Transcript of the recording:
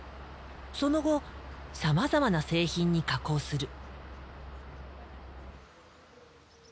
その後さまざまな製品に加工する。